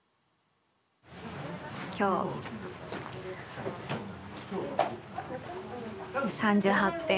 今日３８点。